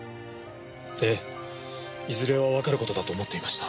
ええいずれはわかる事だと思っていました。